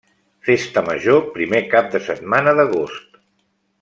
Festa Major primer cap de setmana d'agost.